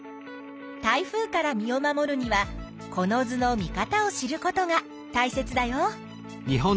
台風から身を守るにはこの図の見方を知ることがたいせつだよ。